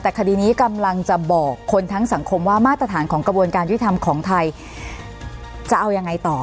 แต่คดีนี้กำลังจะบอกคนทั้งสังคมว่ามาตรฐานของกระบวนการยุทธรรมของไทยจะเอายังไงต่อ